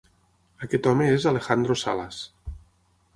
Aquest home és "Alejandro Salas".